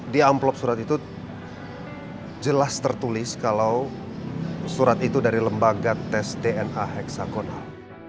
di amplop surat itu jelas tertulis kalau surat itu dari lembaga tes dna heksagonal